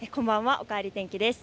おかえり天気です。